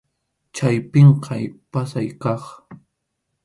Chay pʼinqay pasay kaq.